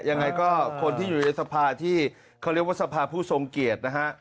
ยังไงก็คนที่อยู่ในสภาที่เขาเรียกว่าสภาผู้ทรงเกียรตินะฮะ